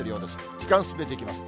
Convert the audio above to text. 時間進めていきます。